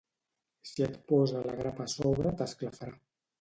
Si et posa la grapa a sobre t'esclafarà.